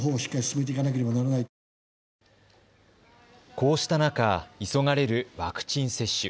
こうした中、急がれるワクチン接種。